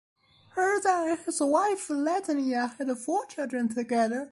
Herzen and his wife Natalia had four children together.